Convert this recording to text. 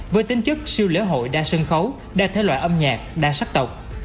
với tính chức siêu lễ hội đa sân khấu đa thể loại âm nhạc đa sắc tộc